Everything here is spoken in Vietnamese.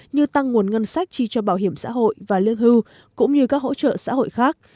như tăng nguồn ngân sách chi cho bảo hiểm xã hội và lương hưu cũng như các hỗ trợ xã hội khác